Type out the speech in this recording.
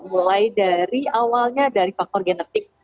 mulai dari awalnya dari faktor genetik